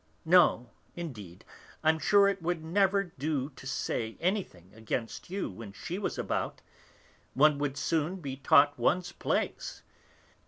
No, indeed; I'm sure it would never do to say anything against you when she was about; one would soon be taught one's place!